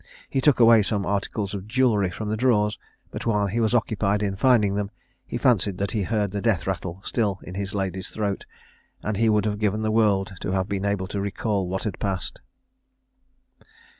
He took away some articles of jewellery from the drawers; but while he was occupied in finding them, he fancied that he heard the death rattle still in his lady's throat, and he would have given the world to have been able to recal what had passed.